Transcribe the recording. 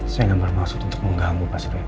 saya gak bermaksud untuk mengganggu pak seruim